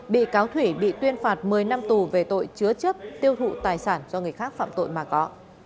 bị cáo thủy bị tuyên phạt một mươi năm tù về tội chứa chấp tiêu thụ tài sản do người khác phạm tội mà có